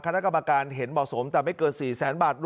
คณะกรรมการเห็นเหมาะสมแต่ไม่เกิน๔แสนบาท